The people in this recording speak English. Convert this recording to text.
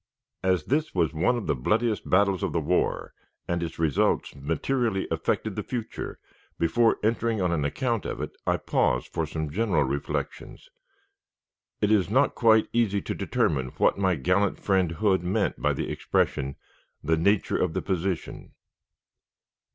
As this was one of the bloodiest battles of the war, and its results materially affected the future, before entering on an account of it, I pause for some general reflections. It is not quite easy to determine what my gallant friend Hood meant by the expression, "the nature of the position."